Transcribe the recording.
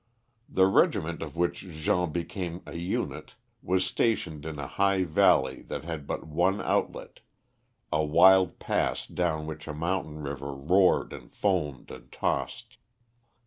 The regiment of which Jean became a unit was stationed in a high valley that had but one outlet, a wild pass down which a mountain river roared and foamed and tossed.